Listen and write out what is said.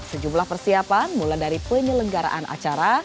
sejumlah persiapan mulai dari penyelenggaraan acara